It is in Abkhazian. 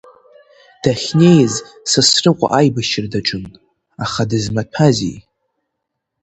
Дахьнеиз Сасрыҟәа аибашьра даҿын, аха дызмаҭәази.